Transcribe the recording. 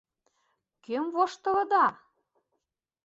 — Кӧм воштылыда?